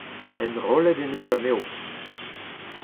Enrollet en deus anezho.